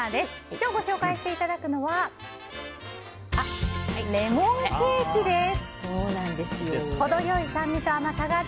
今日ご紹介していただくのはレモンケーキです。